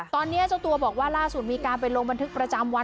ตอนนี้เจ้าตัวบอกว่าล่าสุดมีการไปลงบันทึกประจำวัน